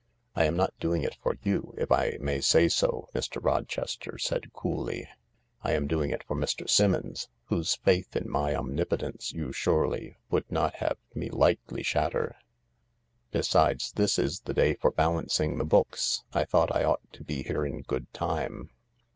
" I am not doing it for you, if I may say so," Mr. Roches ter said coolly. " I am doing it for Mr. Simmons, whose faith in my omnipotence you surely would not have me lightly shatter. Besides, this is the day for balancing the books. I thought I ought to be here in good time."